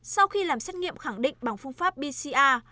sau khi làm xét nghiệm khẳng định bằng phương pháp bca